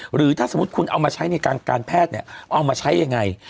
หรือถ้าสมมุติคุณเอามาใช้ในการแพทย์เนี่ยเอามาใช้ยังไง